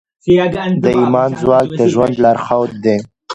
د ایمان ځواک د ژوند لارښود دی.